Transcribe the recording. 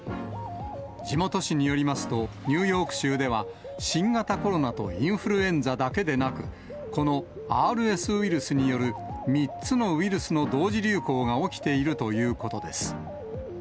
地元紙によりますと、ニューヨーク州では、新型コロナとインフルエンザだけでなく、このＲＳウイルスによる３つのウイルスの同時流行が起きているということです。